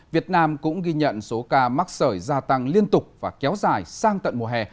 việt nam cũng ghi nhận số ca mắc sởi gia tăng liên tục và kéo dài sang tận mùa hè